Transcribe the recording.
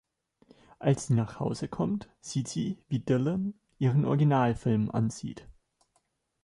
Als sie nach Hause kommt, sieht sie, wie Dylan ihren Originalfilm ansieht.